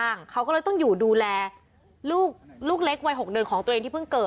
เขาก็เลยต้องอยู่ดูแลลูกลูกเล็กวัย๖เดือนของตัวเองที่เพิ่งเกิด